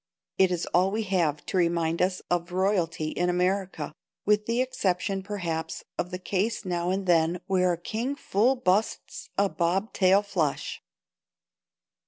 It is all we have to remind us of royalty in America, with the exception, perhaps, of the case now and then where a king full busts a bob tail flush.